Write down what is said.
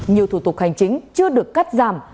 nhiều thủ tục hành chính chưa được cắt giảm